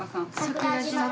桜島。